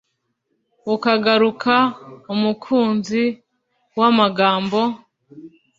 ukagaruka umukunzi wamagambo